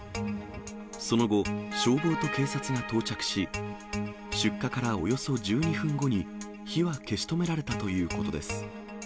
その後、消防と警察が到着し、出火からおよそ１２分後に火は消し止められたということです。